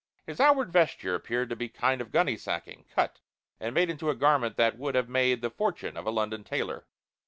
His outward vesture appeared to be kind of gunny sacking, cut and made into a garment that would have made the fortune of a London tailor.